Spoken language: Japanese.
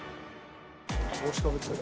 帽子かぶってる。